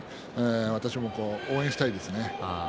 私も応援したいですね。